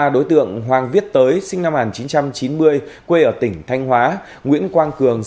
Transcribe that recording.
ba đối tượng hoàng viết tới sinh năm một nghìn chín trăm chín mươi quê ở tỉnh thanh hóa